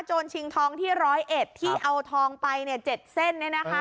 โจรชิงทองที่ร้อยเอ็ดที่เอาทองไป๗เส้น